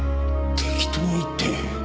適当にって。